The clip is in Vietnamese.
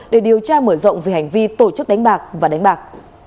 để điều tra mở rộng về hành vi tổ chức đánh bạc và đánh bạc